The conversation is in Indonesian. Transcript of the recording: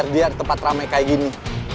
biar tempat rame kayak gini